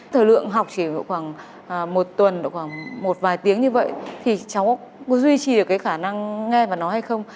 thời lượng học chỉ khoảng một tuần khoảng một vài tiếng như vậy thì cháu có duy trì được cái khả năng nghe và nói hay không